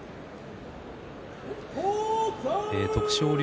徳勝龍